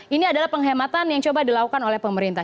ini adalah penghematan yang coba dilakukan oleh pemerintah